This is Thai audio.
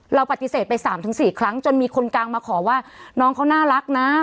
เราปฏิเสธไป๓๔ครั้งจนมีคนกลางมาขอว่าน้องเขาน่ารักนะ